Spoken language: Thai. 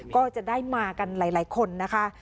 ก็จะได้มากันหลายคนนะคะ